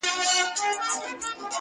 بل فلسطین بله غزه دي کړمه,